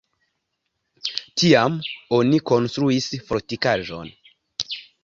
Tiam oni konstruis fortikaĵon.